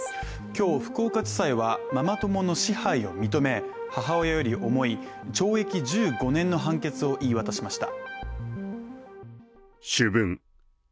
今日、福岡地裁はママ友の支配を認め母親より重い懲役１５年の判決を言い渡しました。